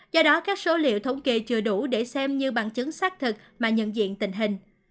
do đó các số liệu thống kê chưa đủ để xem như bằng chứng xác thực mà nhận diện tình hình